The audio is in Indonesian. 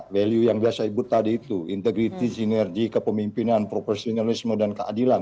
value yang biasa disebut tadi itu integrity sinergi kepemimpinan profesionalisme dan keadilan